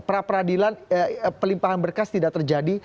perapradilan pelimpahan berkas tidak terjadi